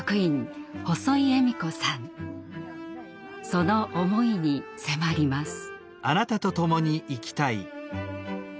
その思いに迫ります。